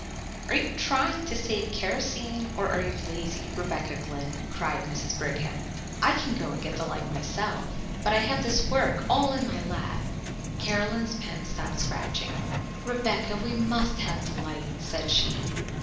"Are you trying to save kerosene or are you lazy, Rebecca Glynn?" cried Mrs. Brigham. "I can go and get the light myself, but I have this work all in my lap." Caroline's pen stopped scratching. "Rebecca, we must have the light," said she.